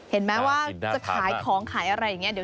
เห็นไหมว่าจะขายของขายอะไรอย่างนี้